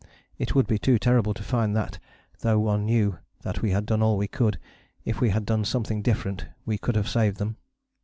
It would be too terrible to find that, though one knew that we had done all that we could, if we had done something different we could have saved them.